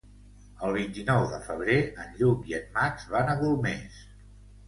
El vint-i-nou de febrer en Lluc i en Max van a Golmés.